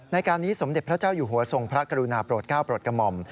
ในการนี้สมเด็จพระเจ้าอยู่หัวทรงพระกรุณาโปรดก้าวโปรดกระหม่อม